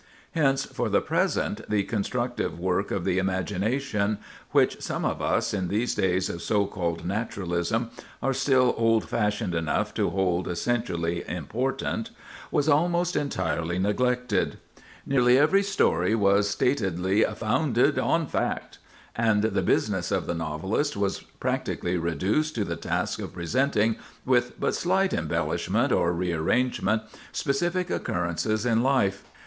Hence, for the present, the constructive work of the imagination—which some of us, in these days of so called Naturalism, are still old fashioned enough to hold essentially important—was almost entirely neglected. Nearly every story was statedly "founded on fact"; and the business of the novelist was practically reduced to the task of presenting, with but slight embellishment or rearrangement, specific occurrences in life.